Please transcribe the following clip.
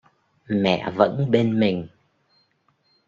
Mẹ vẫn bên mình